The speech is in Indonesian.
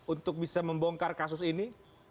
untuk bisa membongkar kasus ini